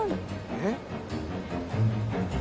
えっ？